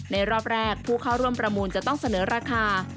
รอบแรกผู้เข้าร่วมประมูลจะต้องเสนอราคา